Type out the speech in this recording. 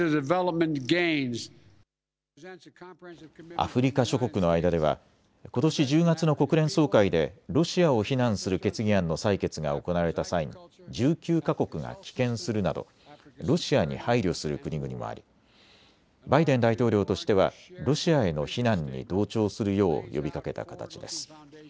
アフリカ諸国の間ではことし１０月の国連総会でロシアを非難する決議案の採決が行われた際に１９か国が棄権するなどロシアに配慮する国々もありバイデン大統領としてはロシアへの非難に同調するよう呼びかけた形です。